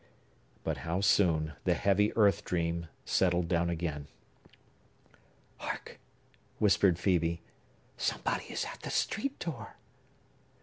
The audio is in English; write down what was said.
But how soon the heavy earth dream settled down again! "Hark!" whispered Phœbe. "Somebody is at the street door!"